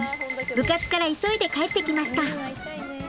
部活から急いで帰ってきました。